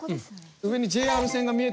上にＪＲ線が見えたので。